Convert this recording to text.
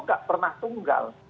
tidak pernah tunggal